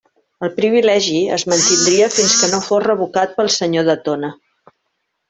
El privilegi es mantindria fins que no fos revocat pel senyor de Tona.